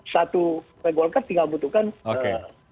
satu partai golkar tinggal butuhkan